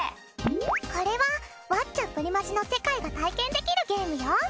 これは『ワッチャプリマジ！』の世界が体験できるゲームよ。